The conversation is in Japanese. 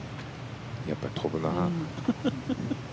やっぱり飛ぶな。